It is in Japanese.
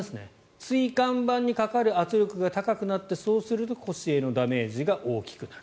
椎間板にかかる圧力が高くなってそうすると腰へのダメージが大きくなる。